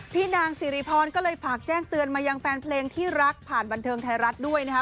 นางสิริพรก็เลยฝากแจ้งเตือนมายังแฟนเพลงที่รักผ่านบันเทิงไทยรัฐด้วยนะคะ